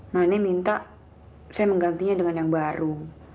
nani minta saya menggantinya dengan yang baru